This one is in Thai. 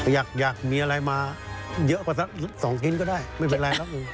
อยากมีอะไรมาเยอะกว่าสัก๒ชิ้นก็ได้ไม่เป็นไรครับ